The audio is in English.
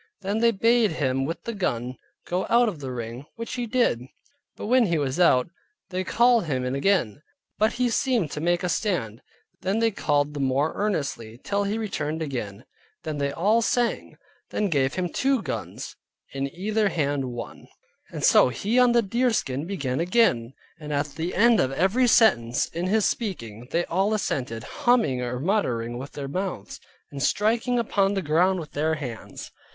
Then they bade him with the gun go out of the ring, which he did. But when he was out, they called him in again; but he seemed to make a stand; then they called the more earnestly, till he returned again. Then they all sang. Then they gave him two guns, in either hand one. And so he on the deerskin began again; and at the end of every sentence in his speaking, they all assented, humming or muttering with their mouths, and striking upon the ground with their hands.